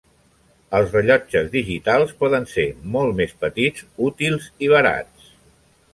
Els rellotges digitals poden ser molt més petits, útils i barats.